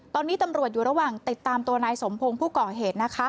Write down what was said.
ตอนนี้ตำรวจอยู่ระหว่างติดตามตัวนายสมพงศ์ผู้ก่อเหตุนะคะ